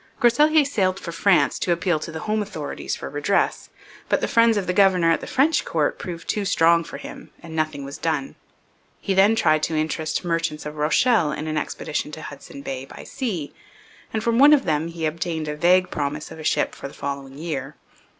Groseilliers sailed for France to appeal to the home authorities for redress, but the friends of the governor at the French court proved too strong for him and nothing was done. He then tried to interest merchants of Rochelle in an expedition to Hudson Bay by sea, and from one of them he obtained a vague promise of a ship for the following year.